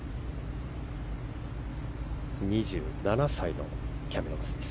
２７歳のキャメロン・スミス。